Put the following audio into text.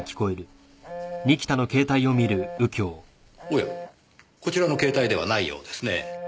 おやこちらの携帯ではないようですね。